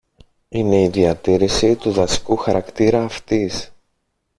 είναι η διατήρηση του δασικού χαρακτήρα αυτής